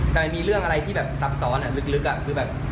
แต่มีเรื่องอะไรที่สับซ้อนลึก